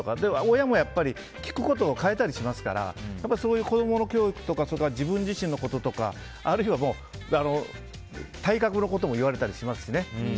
親も聞くことを変えたりしますから子供の教育とか自分自身のこととかあるいは体格のことも言われたりしますしね。